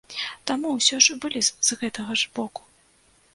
Таму ўсё ж вылез з гэтага ж боку.